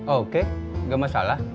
oke nggak masalah